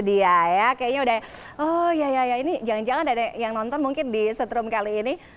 dia ya kayaknya udah oh ya ya ini jangan jangan ada yang nonton mungkin di setrum kali ini